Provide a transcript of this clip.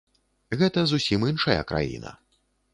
Гэта зусім іншая краіна.